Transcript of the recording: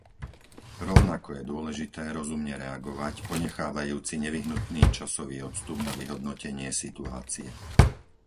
Rovnako je dôležité rozumne reagovať, ponechávajúc si nevyhnutný časový odstup na vyhodnotenie situácie.